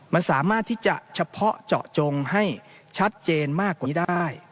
มันสามารถที่จะเฉพาะเจาะจงให้ชัดเจนมากกว่านี้ได้